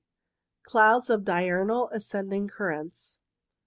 Clouds of diurnal ascending currents.